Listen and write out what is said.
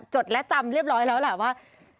จดและจำเรียบร้อยแล้วแหละว่า